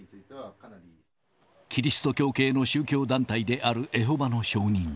キリスト教系の宗教団体であるエホバの証人。